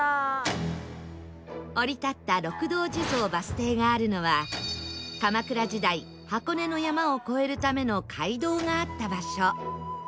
降り立った六道地蔵バス停があるのは鎌倉時代箱根の山を越えるための街道があった場所